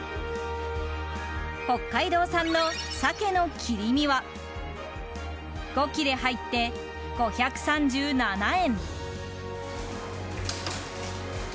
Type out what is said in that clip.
北海道産のサケの切り身は５切れ入って５３７円。